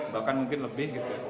bahkan mungkin lebih